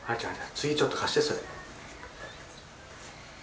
次ちょっと貸してそれ。